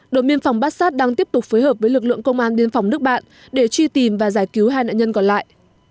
đội biên phòng bát sát đang tiếp tục phối hợp với lực lượng công an biên phòng nước bạn để truy tìm và giải cứu hai nạn nhân còn lại